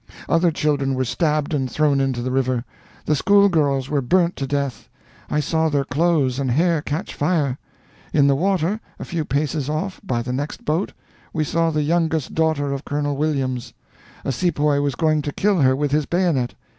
Other children were stabbed and thrown into the river. The schoolgirls were burnt to death. I saw their clothes and hair catch fire. In the water, a few paces off, by the next boat, we saw the youngest daughter of Colonel Williams. A sepoy was going to kill her with his bayonet.